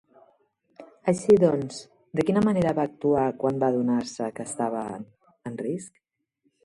Així doncs, de quina manera va actuar quan va adonar-se que estaven en risc?